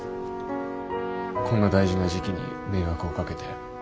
こんな大事な時期に迷惑をかけて。